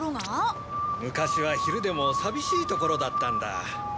昔は昼でも寂しい所だったんだ。